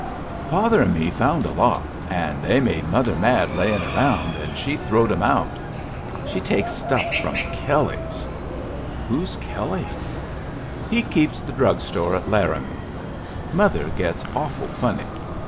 "Father an' me found a lot, an' they made mother mad laying around, an' she throwed 'em out. She takes stuff from Kelley's." "Who's Kelley?" "He keeps the drug store at Laramie. Mother gets awful funny.